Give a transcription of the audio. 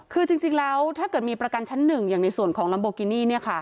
คือจริงแล้วถ้าเกิดมีประกันชั้นหนึ่งอย่างในส่วนของลัมโบกินี่